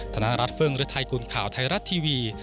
ธนรัฐเฟิร์งหรือไทยกลุ่มข่าวไทรัฐทีวี